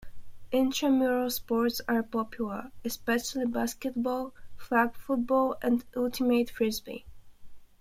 Intramural sports are popular, especially basketball, flag football, and ultimate frisbee.